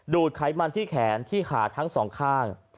ดไขมันที่แขนที่ขาทั้งสองข้าง